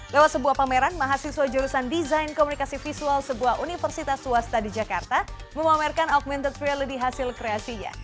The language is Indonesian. lewat sebuah pameran mahasiswa jurusan desain komunikasi visual sebuah universitas swasta di jakarta memamerkan augmented reality hasil kreasinya